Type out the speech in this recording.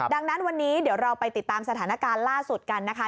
ดังนั้นวันนี้เดี๋ยวเราไปติดตามสถานการณ์ล่าสุดกันนะคะ